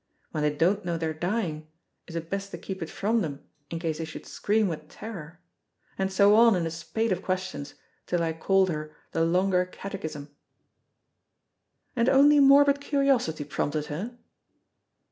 When they don't know they are dying, is it best to keep it from them in case they should scream with terror? and so on in a spate of questions, till I called her the Longer Catechism." "And only morbid curiosity prompted her?"